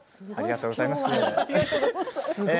ありがとうございます。